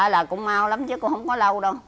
nói chung là nó lâu lắm chứ không có lâu đâu